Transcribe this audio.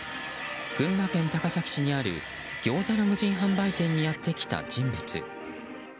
群馬県高崎市にあるギョーザの無人販売店にやってきた人物。